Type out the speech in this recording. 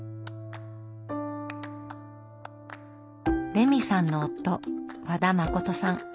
レミさんの夫和田誠さん。